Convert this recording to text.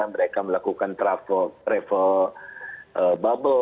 mereka melakukan travel bubble